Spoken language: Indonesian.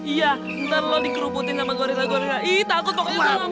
iya ntar lo dikerubutin sama gorila gorila ih takut pokoknya sama lo